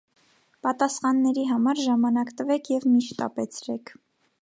Պատասխանների համար ժամանակ տվեք եւ մի’ շտապեցրեք։